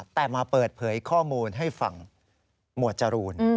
แต่มาเปิดเผยข้อมูลให้ฝั่งหมวดจรูน